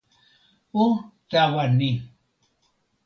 o tawa ni!